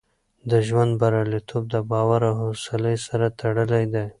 د ژوند بریالیتوب د باور او حوصله سره تړلی دی.